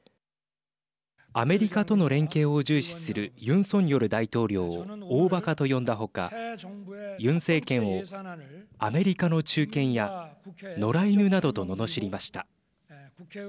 アメリカとの連携を重視するユン・ソンニョル大統領を大ばかと呼んだ他ユン政権をアメリカの忠犬や野良犬などとののしりました。